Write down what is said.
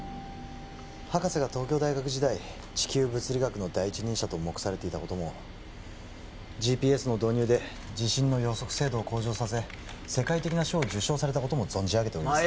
博士が東京大学時代地球物理学の第一人者と目されていたこともＧＰＳの導入で地震の予測精度を向上させ世界的な賞を受賞されたことも存じ上げております